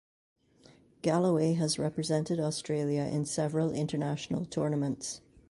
Galloway has represented Australia in several international tournaments.